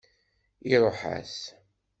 Iṛuḥ-as.